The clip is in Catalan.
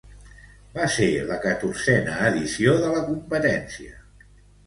Va ser la catorzena edició de la competència.